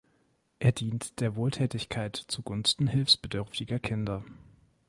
Er dient der Wohltätigkeit zu Gunsten hilfsbedürftiger Kinder.